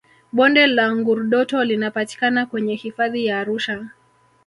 bonde la ngurdoto linapatikana kwenye hifadhi ya arusha